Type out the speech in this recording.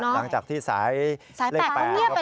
หลังจากที่สายเล็กแปลกเข้าไปนะ